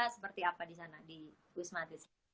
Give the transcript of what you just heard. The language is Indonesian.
seperti apa di sana di wisma atlet sendiri